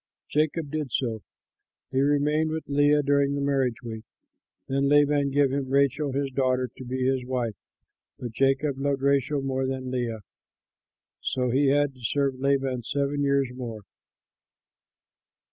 Jacob did so: he remained with Leah during the marriage week. Then Laban gave him Rachel his daughter to be his wife, but Jacob loved Rachel more than Leah. So he had to serve Laban seven years more.